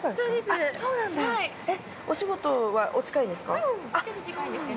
お仕事はお近いんですか？